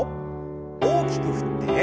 大きく振って。